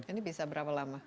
ini bisa berapa lama